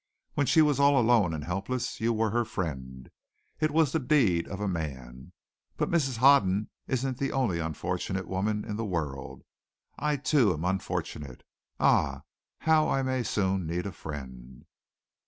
"When she was all alone and helpless you were her friend. It was the deed of a man. But Mrs. Hoden isn't the only unfortunate woman in the world. I, too, am unfortunate. Ah, how I may soon need a friend!